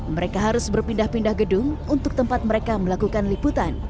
mereka harus berpindah pindah gedung untuk tempat mereka melakukan liputan